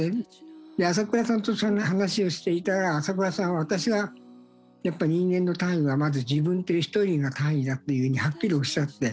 で朝倉さんとそんな話をしていたら朝倉さんは私がやっぱ人間の単位はまず自分っていう一人が単位だっていうようにはっきりおっしゃって。